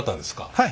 はい。